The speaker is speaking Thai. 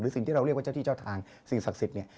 สิ่งที่เราเรียกว่าเจ้าที่เจ้าทางสิ่งศักดิ์สิทธิ์เนี่ย